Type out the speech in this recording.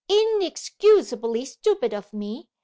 Inexcusably stupid of me.